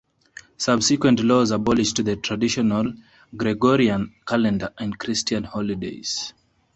Subsequent laws abolished the traditional Gregorian calendar and Christian holidays.